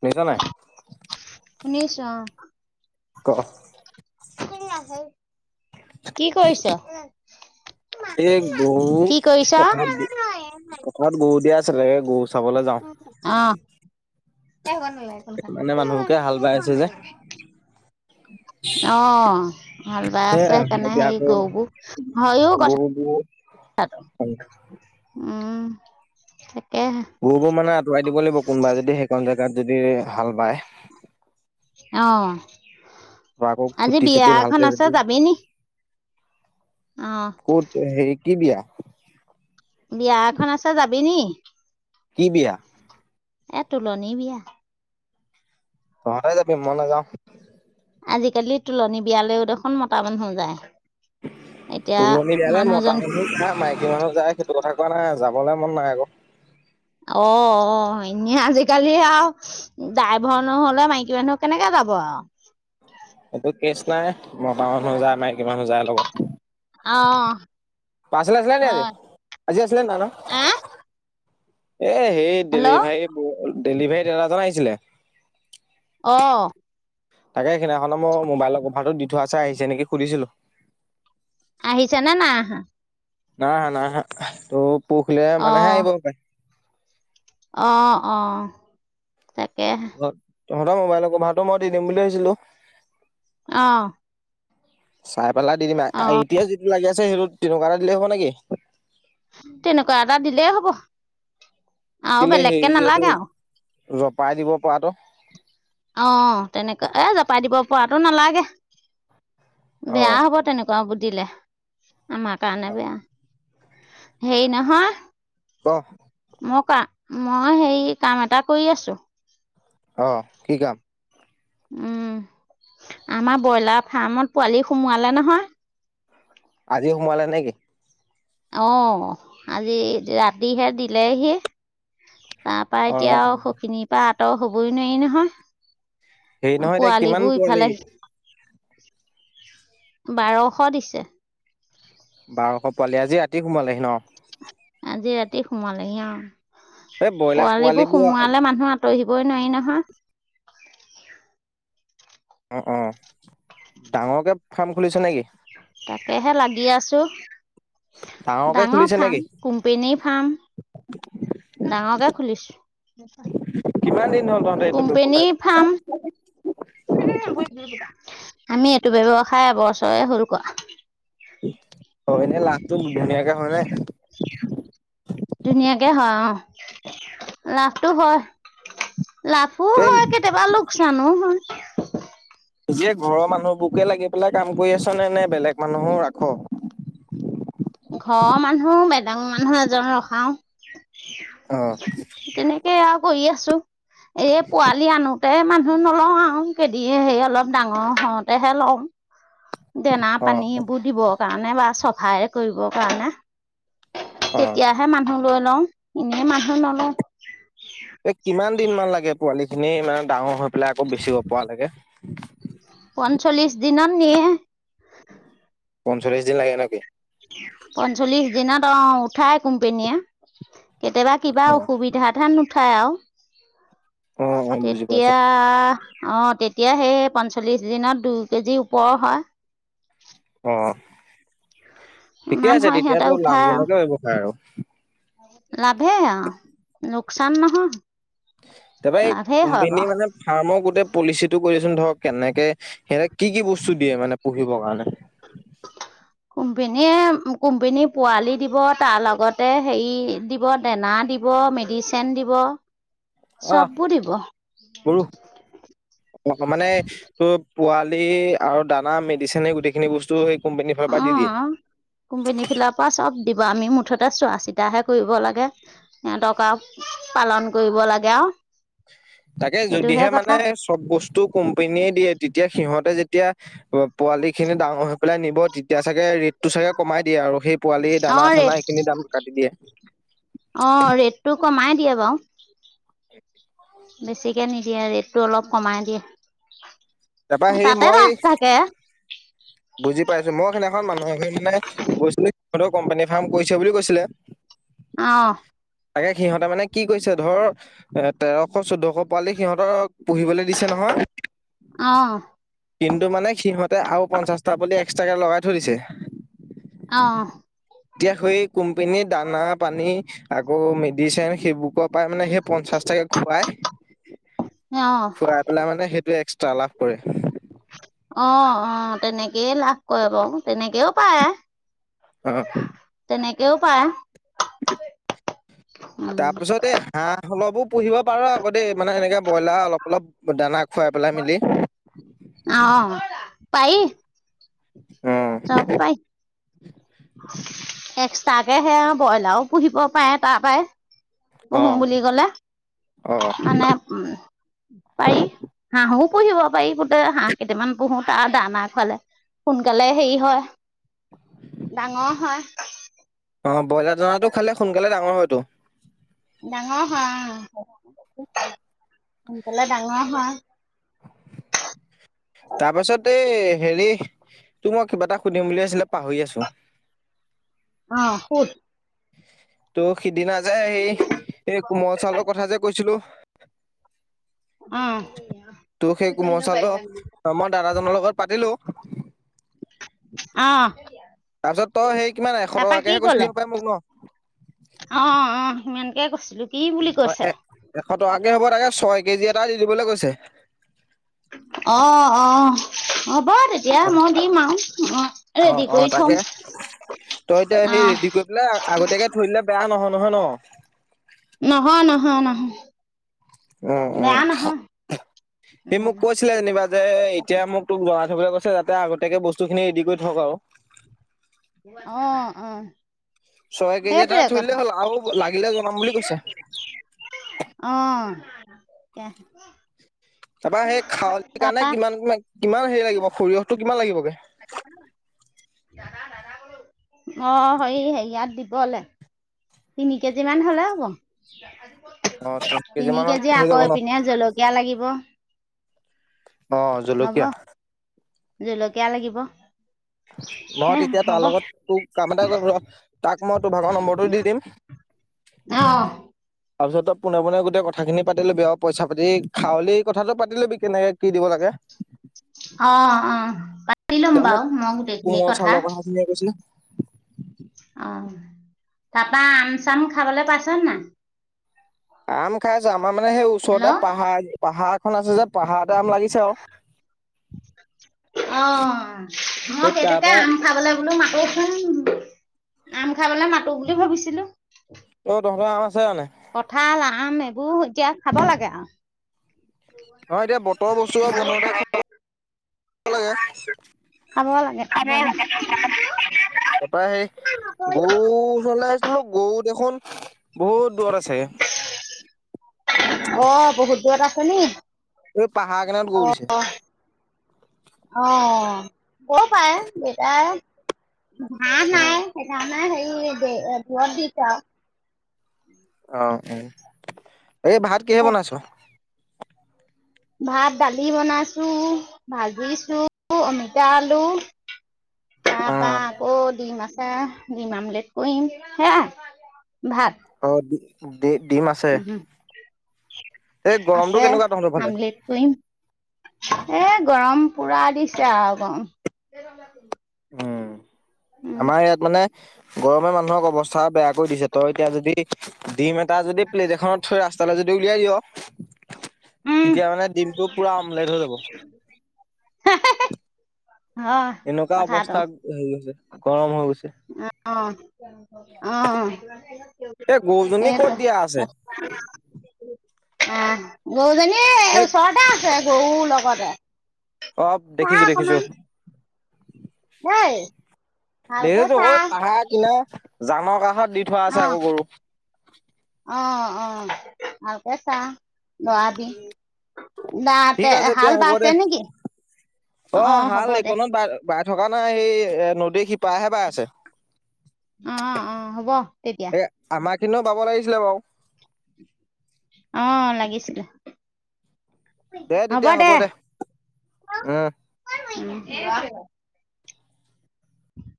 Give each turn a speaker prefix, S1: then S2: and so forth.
S1: শুনিছা নাই
S2: শুনিছোঁ অ।
S1: ক।
S2: কি কৰিছ?
S1: এই গৰু
S2: কি
S1: পথাৰ
S2: কৰিছ?
S1: দি পথাৰত গৰু দিয়া [unintelligible]
S2: আহ। অ
S1: মানে মানুহবোকে হাল বাই আছে যে
S2: হাল বাই আছে
S1: সেয়া
S2: সেইকাৰণে হে
S1: এতিয়া আকৌ
S2: গবোৰ হয় ও কথা
S1: গৰুবোৰ
S2: উম। [unintelligible]
S1: গৰুবোৰ মানে আঁতৰাই দ লাগিব কোনোবা যদি সেইখনণ জ গাত যদি হাল বায়।
S2: আহ।
S1: বা আকৌ
S2: আজি
S1: খুটি
S2: বিয়া
S1: চুটি
S2: এখন
S1: ভালকে
S2: আছে
S1: যদি
S2: যাবি নি? অ',
S1: ক'ত হেৰি। কি বিয়া?
S2: বিয়া এখন আছে যাবি নি?
S1: কি বিয়া?
S2: এ তোলনি বিয়া।
S1: তহঁতে যাবি মই নাযাওঁ।
S2: আজিকালি তোুলনি বিয়ালৈও দেখোন মতাামান হৈ যায়। এতিয়া
S1: তুলনি যে মতা
S2: মানুহজনী
S1: মানুহ খায় মাইকী মানুহ যায় সেইটো কথা কোৱা নাই যাবলৈ মন নাই আকৌ।
S2: অ এনেই আজিকালি আৰু ডাইভৰ নহলে মাইকী মানুহ কেনেকে যাব আৰু।
S1: এইটো কেচ নাই মটা মানুহ যায় মাইকী মানুহ যায় লগত।
S2: অ।
S1: পাৰ্চেল আছিলে নি আজি,
S2: হয়
S1: আজি আছিলে পাৰ্চেল
S2: আহ
S1: এ সেই
S2: হেল্ল'
S1: ডেলিভাৰী ডেলিভাৰী দাদাজন আহিছিলে।
S2: আহ।
S1: তাকে সেই সদিনাখননৰ মই মোবাইলৰ কভাৰটো দি থোৱাছে আহিছে নেকি সুধিছিলো।
S2: আহিছে না নাই অহা।
S1: নাই অহা নাই অহা। পৰখিলে মানেহে আহিব হপাই।
S2: আহ অ। তাকে।
S1: ঘৰত তহঁতৰ মোবাইলৰ কভাৰটো মই দি দিম বুলি ভাবিছিলো।
S2: আহ।
S1: পাই পেলাই দি দিম আৰু এতিয়া যিটো লাগী আ সেইটোত তেনেকুৱা এটা দিলে হ'ব নেকি?
S2: তেনেকুৱা এটা দিলেই হ'ব। আহ
S1: কেলে হেৰি
S2: বেলেগকে
S1: যে এইটো
S2: নালাগে আৰু।
S1: জপাই দিব পৰাটো
S2: অঁ তেনেকুৱা এ জপাই দিব পৰাটো নালাগে।
S1: অ
S2: বেয়া হ'ব তেনেকুৱা দিলে। আমাৰ কাৰণে বেয়া। হেই নহয়
S1: ক'
S2: মই ক, মই হেৰি কাম এটা কৰি আছো।
S1: অ', কি কাম?
S2: উম, আমাৰ ব্ৰইলাৰ ফাৰ্মত পোৱালি সোমোৱালে নহয়।
S1: আজি সোমাৱালে নেকি?
S2: অ', আজি ৰাতিহে দিলেহি। তাৰ পৰা
S1: অ
S2: এতিয়া আৰু সখিনি পাত তও হ'বই নোৱাৰি নহয়।
S1: হে, নহয়, এতিয়া কিমান
S2: পোৱালিবোৰ ইফালে
S1: পোৱালি?
S2: বাৰশ দিছে।
S1: বাৰশ পোৱালি, আজি ৰাতি সোমালে হি ন'।
S2: আজি ৰাতি সোমালে অ'।
S1: এই ব্ৰইলাৰ
S2: পোৱালিবোৰ সোমোৱালে মানুহৰ ৰহিবই, নোৱাৰি নহয়।
S1: অ', অ', ডাঙৰকে ফাৰ্ম খুলিছে নেকি?
S2: তাকেহে লাগি আছো।
S1: ডাঙৰকে
S2: ডাঙৰ
S1: খুলিছে নেকি?
S2: ফাৰ্ম, কোম্পেনীৰ ফাৰ্ম। খুলিছোঁ।
S1: কিমান দিন হ'ল তহঁতে এইটো ব্যৱসায়
S2: কোম্পানীৰ ফাৰ্ম। আমি এইটো ব্যয়ৱসায় এবছৰে হ'ল কৰা।
S1: [inaudible] অ', এনে লাভটো ধুনীয়াকে হয় নে?
S2: ধুনীয়াকে হয় অ লাভটো হয়। লাভো
S1: এই
S2: হয় কেতিয়াবা লোকচানো হয়। [inaudible]
S1: নিজে ঘৰৰ মানুহবোৰকে লাগি পেলাই কাম কৰি আছ নে, নে বেলেগ মানুহো ৰাখ'?
S2: ঘৰৰ মানুহ। বেদাঙ মানুহ এজনো ৰখাও।
S1: অ',
S2: তেনেকে আৰু কৰি আছোঁ। এ, পোৱালি আনো তে মানুহ নলও আৰু, কে দিয়ে হেৰি অলপ ডাঙৰ হওঁতেহে লওঁ। দেনা
S1: অ',
S2: পানী এইবোৰ দিব কাৰণে বা চফাই কৰিবৰ কাৰণে
S1: অ'।
S2: তেতিয়াহে মানুহ লৈ লওঁ। এনেই মানুহ নলওঁ।
S1: এ, কিমান দিন মান লাগে? পোৱালিখিনি ইমান ডাঙৰ হোৱা পেলাই আকৌ বেচিব পৰা লাগে
S2: পঞ্চলিছ দিনত নিয়ে।
S1: পঞ্চলিছ দিন লাগে নেকি?
S2: পঞ্চল্লিছ দিনত, অ', উঠাই কোম্পনীয়ে। কেতিয়াবা কিবা
S1: অ',
S2: অসুবিধাত হেন ঠাই আও।
S1: অ', অ', বুজি পাইছোঁ।
S2: তেতিয়া অ', তেতিয়া সেই পঞ্চল্লিশ দিনত দুই কেজি ওপৰ হয়।
S1: অ'। ঠিকে
S2: ইমান
S1: আছে
S2: হয় সিহঁতে
S1: তেতিয়াটো লাভজনকে ব্যৱসায় আৰু। [inaudible]
S2: লাভে আও, লোকচান নহয়।
S1: তাৰপা এই
S2: লাভেই হয়
S1: কোম্পানীয়ে
S2: বাৰু
S1: মানে ফাৰ্মৰ গোটেই পলিচিটো কৰিচোন ধৰক কেনেকে, সেহেতে কি কি বস্তু দিয়ে মানে পুহিবৰ কাৰণে?
S2: কোম্পেনীয়ে, কোম্পনী পোৱালি দিব তাৰ লগতে হেৰি দিব দেনা দিব, মেডিচেন দিব।
S1: অ',
S2: চববোৰ দিব
S1: গৰু অ', মানে এইটো পোৱালি আৰু দানা মেডিচেনে গোটেইখিনি বস্তু সেই কোম্পানীৰ ফালৰ পৰা দি
S2: অ',
S1: দিয়ে।
S2: অ', কোম্পানী ফিল' পৰা চব দিব, আমি মুঠতে চোৱা চিতাহে কৰিব লাগে, সিহঁতক আও পালন কৰিব লাগে আও
S1: তাকে যদিহে মানে চব বস্তু কোম্পনীয়ে দিয়ে, তেতিয়া সিহঁতে যেত তিয়া পোৱালি খিনি ডাঙৰ হৈ পেলাই নিব তেতিয়া চাগে ৰেটটো চাগে কমাই দিয়ে আৰু সেই পোৱালি
S2: অ
S1: দানা চানা
S2: ৰেট
S1: এইখিনি দামত কাটি দিয়ে।
S2: অ ৰেটটো কমাই দিয়ে বাও।
S1: [inaudible]
S2: বেছিকে নিদিয়ে ৰেটটো অলপ কমাই
S1: তাৰপা
S2: দিয়ে।
S1: সেই
S2: তাতে
S1: মই
S2: লাভ থাকে।
S1: খন মানুহে এগৰাকী মানে গৈছিলে সিহঁতৰ কোম্পানী ফাৰ্ম কৰিছে বুলি কৈছিলে।
S2: অ
S1: তাকে সিহঁতে মানে কি কৈছে ধৰ এ, তেৰশ চৈধ্যশ পোৱালি সিহঁত পুহিবলৈ দিছে নহয়।
S2: অ
S1: কিন্তু মানে সিহঁতে আও পঞ্চাছ তাৰপতি এক্সট্ৰাকে লগাই থৈ দিছে।
S2: অ'।
S1: এতিয়া সৈ কোম্পিনী দানা পানী আকৌ মেডিচেন সেইবোকৰ পৰাই মানে সেই পঞ্চাশটাকে খুৱাই
S2: অ
S1: খুৱাই পেলাই মানে সেইটো এক্স লাভ কৰে
S2: অ অ তেনেকেইয় লাভ কৰে বাৰু তেনেকেও পায়
S1: অ
S2: তেনেকেও পায় উম
S1: তাৰপিছত এই হাঁহ অলপো পুহিব পাৰো আকৌ দেই মানে এনেকে ব্ৰইলাৰ অলপ অলপ দানা খুৱাই পেলাই মেলি
S2: অ পায়
S1: অ
S2: চব পাই এক তাকেহে সে আৰু ব্ৰইলাৰো পুহিব পাৰে তাৰ পৰাই
S1: অ
S2: পুহো বুলি কলে
S1: অ
S2: মানে উম পাৰি হাঁহু পুহিব পাৰি গোটেই হাঁহ কেইটামান পুহো তাৰ দানা খুৱালে সোনকালে হেৰি হয় ডাঙৰ হয়
S1: অ ব্ৰইলাৰ দনাটো খালে সোনকালে ডাঙৰ হয়তটো
S2: ডাঙৰ হোৱা সোনকালে ডাঙৰ হোৱা
S1: তাৰপিছতে এই হেৰি তো মই কিবা এটা সুধিম বুলি আছিলে পাহৰি আছো
S2: অ শোধ
S1: ত' সিদিনা যে সেই এই কোমল চাউলৰ কথা যে কৈছিলো
S2: অ
S1: তো সেই কোমচলো মই দাদাজনৰ লগত পাতিলো
S2: অ
S1: য তই সেই কিমান এশ
S2: তাপা কি
S1: টকাকেহে কৈছিলি
S2: কলে
S1: হপাই মোক ন
S2: অ অ সিমান তোকে কৈছিলো কি বুলি
S1: অ
S2: কৈছে
S1: এ এশ টকাকে হ'ব তাকে ছয় কেজি এটা দি দিবলৈ কৈছে
S2: অ অ অ তেতিয়া মই দিম আৰু
S1: অ
S2: ৰেডি
S1: অ
S2: কৰি থম
S1: তাকে তই এতিয়া
S2: অ
S1: সেই ৰেডি কৰি পেলাই আগতীয়াকে থৈ দিলে বেয়া নহয় নহয় ন
S2: নহয় নহয় নহয়
S1: উ উম
S2: বেয়া নহয়
S1: সি মোক
S2: উম
S1: কৈছিলে যেনিবা যে এতিয়া মোক তোক যোৱা থবলৈ কৈছে যাতে আগতোকে বস্তু খিনি ৰেডি কৰি থক আৰু
S2: অ অ
S1: ছয় কেজি এান
S2: সেইটোৱে কথা
S1: ধৰিলেেই হ'ল আৰু লাগিলে জনাম বুলি কৈছে
S2: কোৱা
S1: তা পা সেই খাৱলি কাৰণে কিমান কিমান কিমান হেৰি লাগিব সৰিয়হটো কিমান লাগিব
S2: ধৰা ব অ' হই হেইয়াত দিব। ঘৰলে তিনি কেজি মান হ'লে হ'ব।
S1: অ
S2: তিনি
S1: মানত
S2: কেজি
S1: হৈ
S2: আকৌ
S1: যাব ন
S2: ইপিনে জলকীয়া লাগি হব।
S1: অ' জলকীয়া।
S2: জলকীয়া লাগিব।
S1: ম
S2: হে
S1: তেতিয়া তাৰ
S2: হ'ব
S1: লগত তোক কাম এটা কৰিম ৰ তাক মই তোৰ ভাগৰ নম্বৰটো দি দিম।
S2: অ
S1: তাৰপিছত তই পোনে পোনে গোটেই কথাখিনি পাতি ল'বি আৰু পইচা পাতি খাৱলি কথাটো পাতি ল'বি কেনেকে কি দিব লাগে।
S2: অ', অ। পাত পাতি লম
S1: এতিয়া মোক
S2: বাৰু মই গোটেই খিনি
S1: কোমল
S2: কথা।
S1: চাউলৰ কথাখিনিয়ে কৈছিলে
S2: তা পা আম চাম খাবলৈ পাইছ নে নাই।
S1: আম খাইছো আমাৰ মানে সেই ওচৰতে
S2: হেল্ল'
S1: পাহাৰ। পাহাৰ এখন আছে যে পাহাৰ।
S2: অ' মই
S1: সেই তাৰ
S2: সেইটোকে
S1: পৰা
S2: আম খাবলে বোলো মাতোচুন। আম খাবলে মাতো বুলি ভাবিছিলো।
S1: অ' তহঁতৰ আম আ
S2: কঁঠাল আম এ এইবোৰ এতিয়া খাব লাগে আও।
S1: অ' এতিয়া বতৰ বস্তু বতৰ [unintelligible] [unintelligible]
S2: খাব লাগে খাব লাগে
S1: [unintelligible] পাই গও ওচৰলে আহিছিলো গও দেখোন বহুত দূৰত আছে।
S2: অ' বহুত দূৰত আছে নি
S1: এই পাহাৰ কিনাৰত গৰু দিছে
S2: অ', অ'। ব পায় দেটায়ে ঘাঁহ
S1: অ
S2: নাই সেইকাৰণে নাই হেৰি দে দূৰত দিছে আও
S1: উম এই ভাত কিহে
S2: সেই
S1: বনাইছ।
S2: ভাত দালি বনাইছো ভাজিছো অমিতা আলু, তা
S1: অ
S2: পা আকৌ ডিম আছা ডিম আমলেট কৰিম সেয়াই ভাত।
S1: [unintelligible] ডে ডিম আছে,
S2: উম,
S1: এই গৰমটো
S2: আছে
S1: কেনেকুৱা তহঁতৰফালে?
S2: আমলেট কৰিম। এ গৰম পুৰা দিছে আৰু গৰম।
S1: উম।
S2: উম,
S1: আমাৰ ইয়াত মানে গৰমে মানুহক অৱস্থা বেয়া কৰি দিছে, তই এতিয়া যদি ডিম এটা যদি প্লেট এখনত থৈ ৰাস্তালে যদি উলিয়াই দিয়'
S2: উম।
S1: তেতিয়ামানে ডিমটো পুৰা অমলেট হৈ যাব।
S2: হয়
S1: এনেকুৱা
S2: কথাটো
S1: অৱস্থাত হৈ গৈছে। গৰম হৈ গৈছ
S2: অ'। অহ।
S1: এই, গৰুজনী ক'ত দিয়া আছে?
S2: আ, গৰুজনী এ,
S1: এই
S2: ওচৰতে আছে গৰুৰ লগত [unintelligible]
S1: অ', দেখিছোঁ, দেখিছোঁ।
S2: দেই
S1: [unintelligible]
S2: ভালকে চা
S1: সৈ পাহাৰ কিনা জানৰ কাষত দি থোৱা
S2: অ
S1: আছে আকৌ গৰু।
S2: অ', অ', ভালকে চা, লৰাবি দাতে
S1: ঠিক আছে এতিয়া
S2: হাল
S1: হ'ব
S2: বাইছে
S1: দে,
S2: নেকি
S1: অ', হাল
S2: হ'ব দে
S1: এইকণত বাই, বাই থকা নাই এই নদীৰ শিপাৰেহে বাই আছে
S2: অ অ হ'ব তেতিয়া
S1: এই আমাক খিন বাব লাগিছিলে বাৰু
S2: অ', লাগিছিলে। হ'ব দে
S1: উম।
S2: [unintelligible]